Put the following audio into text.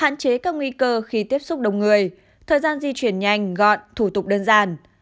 nguy cơ khi tiếp xúc đông người thời gian di chuyển nhanh gọn thủ tục đơn giản